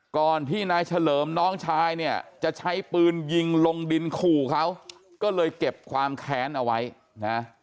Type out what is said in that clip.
ก่อนที่นายเฉลิมน้องชายเนี่ยจะใช้ปืนยิงลงดินขู่เขาก็เลยเก็บความแค้นเอาไว้นะ